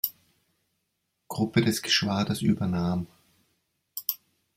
Gruppe des Geschwaders übernahm.